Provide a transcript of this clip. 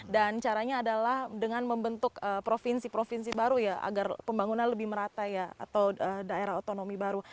dan caranya adalah dengan membentuk provinsi provinsi baru ya agar pembangunan lebih merata ya atau daerah otonomi baru